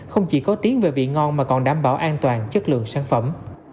không chỉ có tiếng về vị ngon mà còn đảm bảo an toàn chất lượng sản phẩm